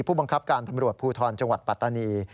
ผู้บังคับการตำรวจภูทรจังหวัดปัตตานี